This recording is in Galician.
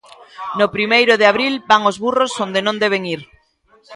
No primeiro de abril van os burros onde non deben ir.